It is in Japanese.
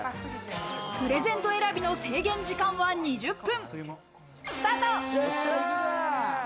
プレゼント選びの制限時間は２０分。